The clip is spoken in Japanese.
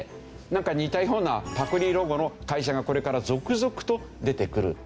なんか似たようなパクリロゴの会社がこれから続々と出てくる。